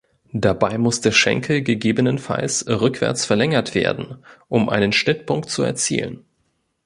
Dabei muss der Schenkel gegebenenfalls rückwärts verlängert werden, um einen Schnittpunkt zu erzielen.